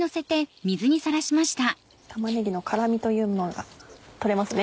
玉ねぎの辛みというものが取れますね。